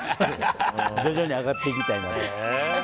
徐々に上がっていきたいなと。